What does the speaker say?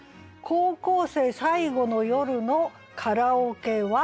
「高校生最後の夜のカラオケは」。